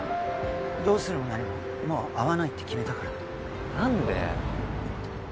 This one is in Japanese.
どうするも何ももう会わないって決めたから何で？